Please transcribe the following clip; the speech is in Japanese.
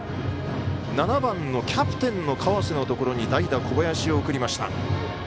７番のキャプテンの川瀬のところに代打、小林を送りました。